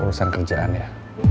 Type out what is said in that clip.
urusan kerjaan ya